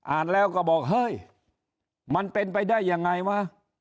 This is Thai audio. อ่านแล้วก็บอกเฮ้ยมันเป็นไปได้ยังไงวะ